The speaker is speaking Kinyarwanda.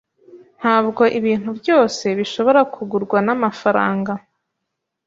Ntabwo ibintu byose bishobora kugurwa namafaranga.